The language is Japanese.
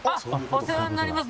お世話になります。